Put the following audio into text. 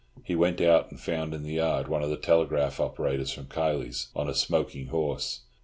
He went out and found in the yard one of the telegraph operators from Kiley's, on a smoking horse.